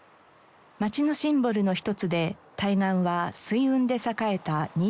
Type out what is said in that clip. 街のシンボルの一つで対岸は水運で栄えた新潟島。